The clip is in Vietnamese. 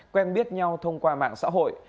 quen biết nhau thông qua mạng xã hội